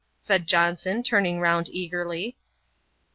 said Johnson, turning round eagerly.